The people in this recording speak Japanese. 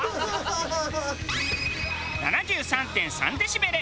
７３．３デシベル。